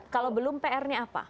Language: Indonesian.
kalau belum pr nya apa